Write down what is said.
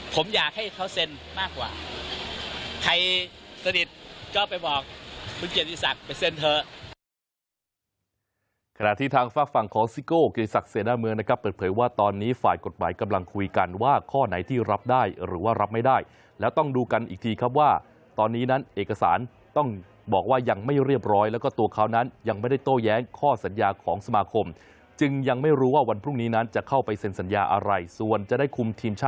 ผมอยากให้เขาเซ็นมากกว่าใครสนิทก็ไปบอกคุณเกียรติศักดิ์ไปเซ็นเถอะ